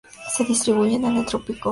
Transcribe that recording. Se distribuye en el neotrópico.